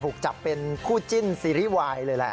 ถูกจับเป็นคู่จิ้นซีรีส์วายเลยแหละ